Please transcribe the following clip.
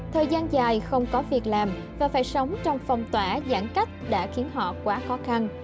thời gian dài không có việc làm và phải sống trong phong tỏa giãn cách đã khiến họ quá khó khăn